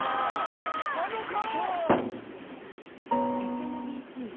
あの顔！